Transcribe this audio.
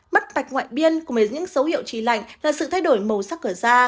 mắt mạch ngoại biên cùng với những dấu hiệu chi lạnh là sự thay đổi màu sắc ở da